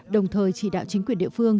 đồng thời chỉ đạo chính quyền địa phương